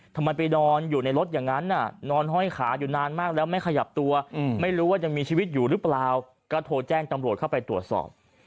ทำไมไปนอนอยู่ในรถอย่างนั้นนอนห้อยขาอยู่นานมากแล้วไม่ขยับตัวไม่รู้ว่ายังมีชีวิตอยู่หรือเปล่าก็โทรแจ้งตำรวจเข้าไปตรวจสอบ